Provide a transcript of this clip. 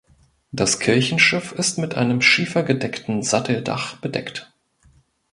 Das Kirchenschiff ist mit einem schiefergedeckten Satteldach bedeckt.